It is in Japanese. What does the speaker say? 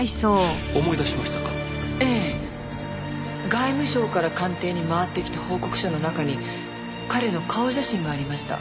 外務省から官邸に回ってきた報告書の中に彼の顔写真がありました。